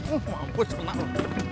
oh mampus enak lo